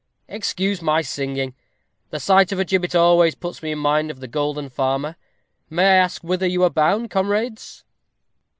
_ Excuse my singing. The sight of a gibbet always puts me in mind of the Golden Farmer. May I ask whither you are bound, comrades?"